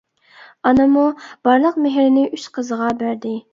ئانىمۇ بارلىق مېھرىنى ئۈچ قىزىغا بەردى.